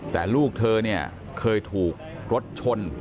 แต่ลูกเธอเนี่ยเคยถูกรถชน